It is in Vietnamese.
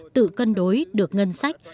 tự cân đối được ngân sách